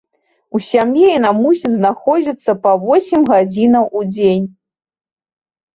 У сям'і яна мусіць знаходзіцца па восем гадзінаў у дзень.